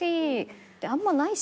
であんまないし。